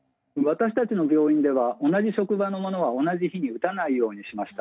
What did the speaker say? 私たちの病院では同じ職場のものは同じ日に打たないようにしました。